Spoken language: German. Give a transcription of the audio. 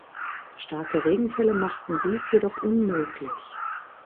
Starke Regenfälle machten dies jedoch unmöglich.